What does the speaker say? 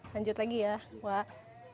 lanjut lagi ya wah